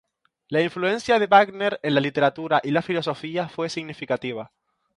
La influencia de Wagner en la literatura y la filosofía fue significativa.